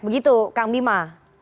begitu kang bima